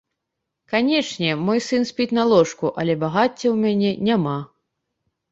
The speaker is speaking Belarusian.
Канечне, мой сын спіць на ложку, але багацця ў мяне няма.